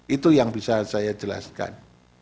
itu yang bisa saya jelaskan